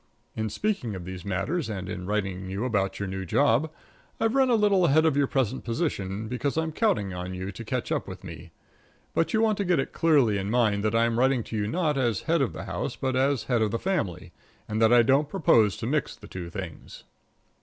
In speaking of these matters, and in writing you about your new job, I've run a little ahead of your present position, because I'm counting on you to catch up with me. But you want to get it clearly in mind that I'm writing to you not as the head of the house, but as the head of the family, and that I don't propose to mix the two things.